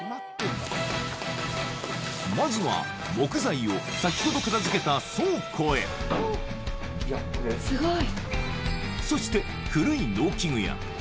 まずは木材を先ほど片付けた倉庫へそしてうんだから。とえ！